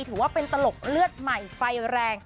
ถือว่าเป็นตลกเลือดใหม่ไฟแรง